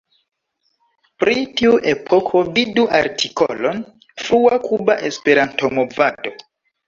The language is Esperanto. Pri tiu epoko vidu artikolon Frua Kuba Esperanto-movado.